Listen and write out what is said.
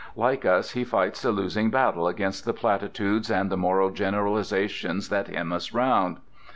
Like us he fights a losing battle against the platitudes and moral generalizations that hem us round.